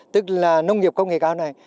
tức là nông nghiệp công nghệ cao này